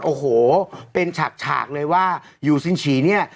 โอ้โหเป็นฉากฉากเลยว่ายูซินชีเนี่ย